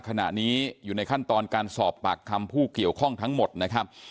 ขณะนี้อยู่ในขั้นตอนการสอบปากคำผู้เกี่ยวข้องทั้งหมดนะครับ